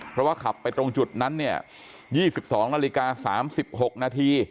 เพราะว่าขับไปตรงจุดนั้นเนี่ย๒๒น๓๖น